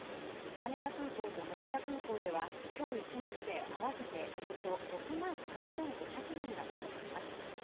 羽田空港と成田空港では今日１日で合わせておよそ６万３５００人が帰国します。